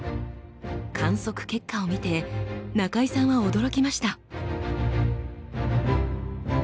観測結果を見て中井さんは驚きました。